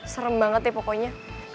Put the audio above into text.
serem banget ya pokoknya